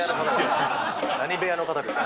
何部屋の方ですか？